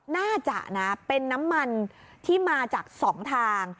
น่าจะนะเป็นน้ำมันที่มาจาก๒ทาง